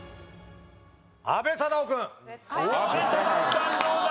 阿部サダヲさんどうだ？